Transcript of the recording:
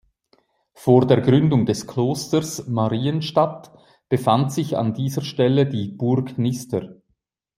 Vor der Gründung des Klosters Marienstatt befand sich an dieser Stelle die "Burg Nister".